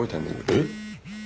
えっ！？